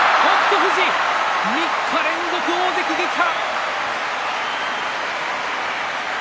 富士、３日連続大関撃破。